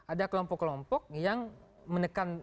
ada kelompok kelompok yang menekan